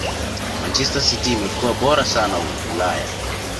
manchester city imekua bora sana ulaya